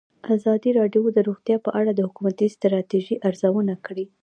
ازادي راډیو د روغتیا په اړه د حکومتي ستراتیژۍ ارزونه کړې.